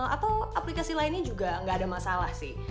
atau aplikasi lainnya juga nggak ada masalah sih